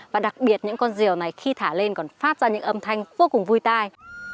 và đặc biệt những con rìu này khi thả lên còn phát ra những âm thanh vô cùng vui tai